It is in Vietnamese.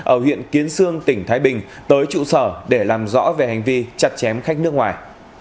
ở huyện kiến sương tỉnh thái bình tới trụ sở để làm rõ về hành vi chặt chém khách nước ngoài